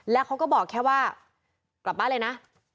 แล้วเขาก็บอกแค่ว่ากลับบ้านเลยนะ